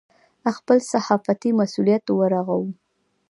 خپل صحافتي مسوولیت ورغوو.